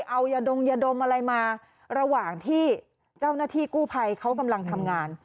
เอายาดมยาดมอะไรมาระหว่างที่เจ้าหน้าที่กู้ภัยเขากำลังทำงาน